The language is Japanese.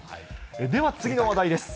では次の話題です。